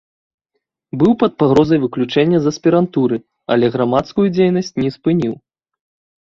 Быў пад пагрозай выключэння з аспірантуры, але грамадскую дзейнасць не спыніў.